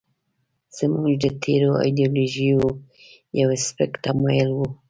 زموږ د تېرو ایډیالوژیو یو سپک تمایل و.